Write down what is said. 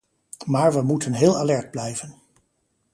Maar we moeten heel alert blijven.